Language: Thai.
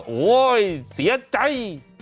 โหยยยยยเสียใจ